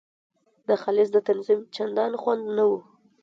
د خالص د تنظیم چندان خوند نه وو.